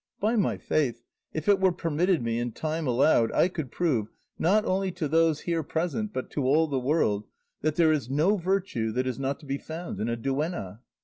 By my faith, if it were permitted me and time allowed, I could prove, not only to those here present, but to all the world, that there is no virtue that is not to be found in a duenna."